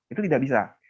itu tidak bisa